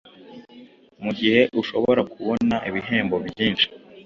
mugihe ushobora kubona ibihembo byinshi